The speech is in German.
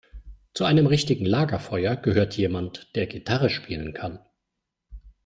Zu einem richtigen Lagerfeuer gehört jemand, der Gitarre spielen kann.